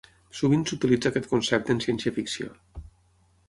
Sovint s'utilitza aquest concepte en ciència-ficció.